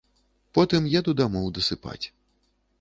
Потым еду дамоў дасыпаць.